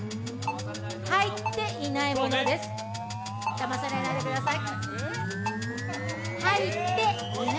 だまされないでください。